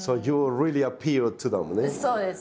そうです。